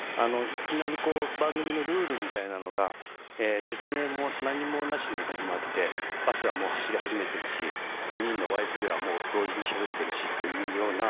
いきなり番組のルールみたいなのが説明も何にもなしに始まってバスはもう走り始めてるし４人のワイプではもう同時にしゃべってるしというような。